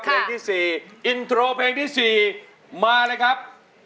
เพลงที่๔อินโทรเพลงที่๔มาเลยครับ